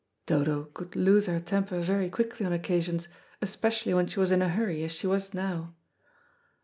Dodo could lose her temper very quickly on occasions, especially when she was in a hurry, as she was now.